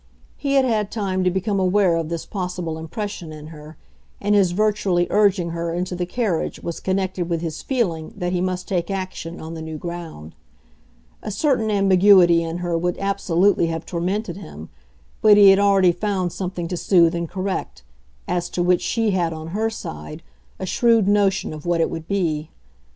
He had had time to become aware of this possible impression in her, and his virtually urging her into the carriage was connected with his feeling that he must take action on the new ground. A certain ambiguity in her would absolutely have tormented him; but he had already found something to soothe and correct as to which she had, on her side, a shrewd notion of what it would be.